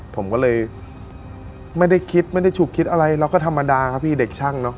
ผมก็เลยไม่ได้คิดไม่ได้ฉุกคิดอะไรเราก็ธรรมดาครับพี่เด็กช่างเนอะ